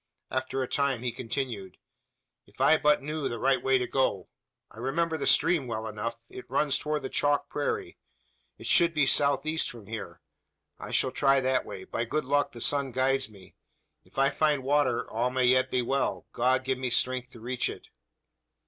After a time he continued: "If I but knew the right way to go. I remember the stream well enough. It runs towards the chalk prairie. It should be south east, from here. I shall try that way. By good luck the sun guides me. If I find water all may yet be well. God give me strength to reach it!"